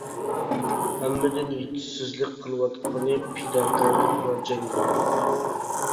ھەممىدىن يېتىشسىزلىك قىلىۋاتقىنى پىداكارلىق ۋە جەڭگىۋارلىق.